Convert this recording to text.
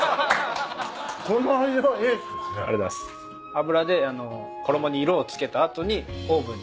油で衣に色を付けた後にオーブンに。